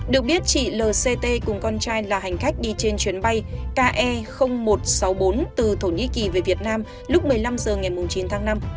được biết chị lct cùng con trai là hành khách đi trên chuyến bay ke một trăm sáu mươi bốn từ thổ nhĩ kỳ về việt nam lúc một mươi năm h ngày chín tháng năm